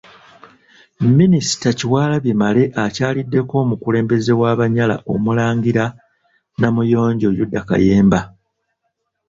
Minisita Kyewalabye Male akyaliddeko omukulembeze w’Abanyala Omulangira Namuyonjo Yuda Kayemba.